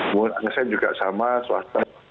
mungkin saya juga sama swasta